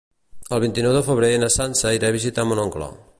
El vint-i-nou de febrer na Sança irà a visitar mon oncle.